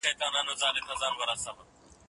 زه هره ورځ اوبه پاکوم!؟